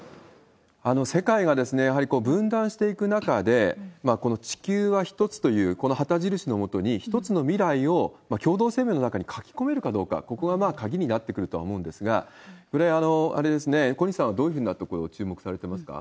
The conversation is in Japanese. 世界がやはり分断していく中で、この地球はひとつという、この旗印のもとに、ひとつの未来を共同声明の中に書き込めるかどうか、ここが鍵になってくるとは思うんですが、これ、小西さんはどういうふうなところを注目されてますか？